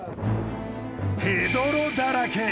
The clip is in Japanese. ヘドロだらけ！